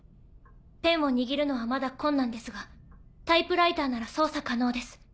ペンを握るのはまだ困難ですがタイプライターなら操作可能です。